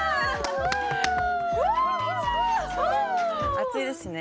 暑いですね。